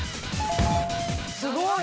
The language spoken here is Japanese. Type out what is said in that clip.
すごい！